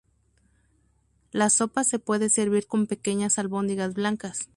La sopa se puede servir con pequeñas albóndigas blancas.